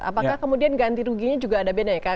apakah kemudian ganti ruginya juga ada bedanya